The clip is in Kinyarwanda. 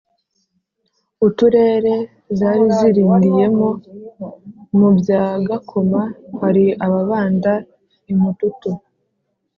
uturere zari zirindiyemo; mu bya gakoma hari ababanda, i mututu